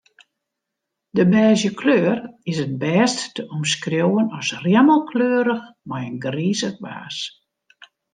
De bêzje kleur is it bêst te omskriuwen as rjemmekleurich mei in grizich waas.